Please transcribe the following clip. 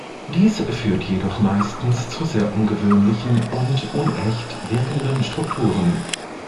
Dies führt jedoch meistens zu sehr ungewöhnlichen und unecht wirkenden Strukturen.